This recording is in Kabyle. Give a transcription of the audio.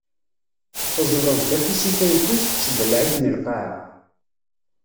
Teẓẓleḍ-d afus-ik ayeffus, tessebleɛ-iten lqaɛa.